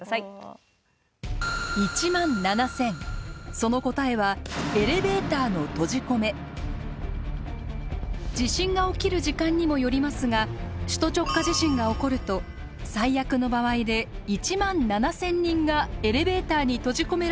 その答えは地震が起きる時間にもよりますが首都直下地震が起こると最悪の場合で１７，０００人がエレベーターに閉じ込められる可能性があるといいます。